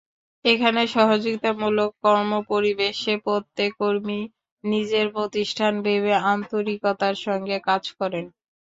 এখানের সহযোগিতামূলক কর্মপরিবেশে প্রত্যেক কর্মীই নিজের প্রতিষ্ঠান ভেবে আন্তরিকতার সঙ্গে কাজ করেন।